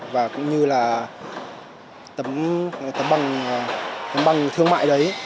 và cũng như là tấm bằng thương mại đấy